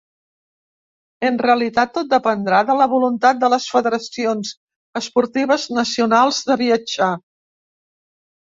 En realitat, tot dependrà de la voluntat de les federacions esportives nacionals de viatjar.